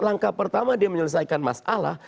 langkah pertama dia menyelesaikan masalah